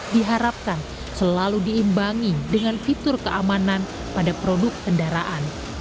diharapkan selalu diimbangi dengan fitur keamanan pada produk kendaraan